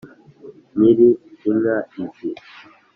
nyiri inka izi